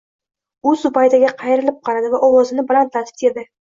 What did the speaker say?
U Zubaydaga qayrilib qaradi va ovozini balandlatib dedi